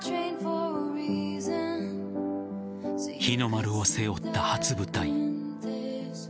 日の丸を背負った初舞台。